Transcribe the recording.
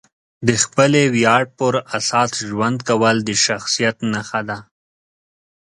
د خپلې ویاړ پر اساس ژوند کول د شخصیت نښه ده.